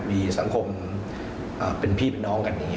มีสังคมเป็นพี่เป็นน้องกันอย่างนี้